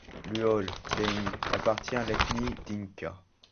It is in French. Luol Deng appartient à l'ethnie Dinka.